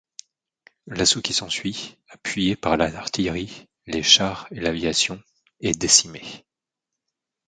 L'assaut qui s'ensuit, appuyé par l'artillerie, les chars et l'aviation, est décimé.